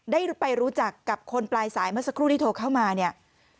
ได้ไปรู้จักกับคนปลายสายเมื่อสักครู่ที่โทรเข้ามาเนี่ย